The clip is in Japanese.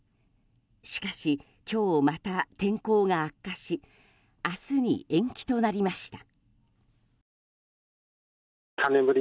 しかし、今日また天候が悪化し明日に延期となりました。